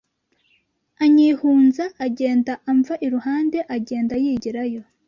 Anyihunza: agenda amva iruhande, agenda yigirayo